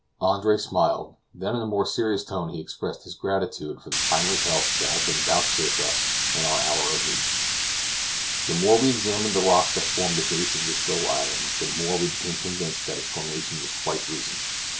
Andre smiled; then, in a more serious tone, he expressed his gratitude for the timely help that had been vouchsafed us in our hour of need. The more we examined the rocks that formed the base of the little island, the more we became convinced that its formation was quite recent.